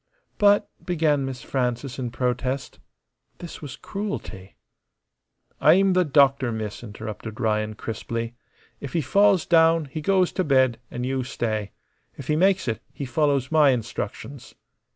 "But," began Miss Frances in protest. This was cruelty. "I'm the doctor, miss," interrupted Ryan, crisply. "If he falls down he goes t' bed, an' you stay. If he makes it, he follows my instructions."